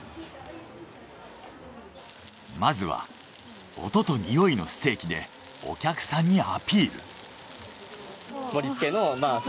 まずは音と匂いのステーキでお客さんにアピール。